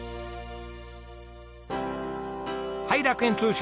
はい楽園通信です。